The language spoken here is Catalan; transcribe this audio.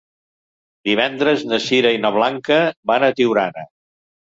Divendres na Sira i na Blanca van a Tiurana.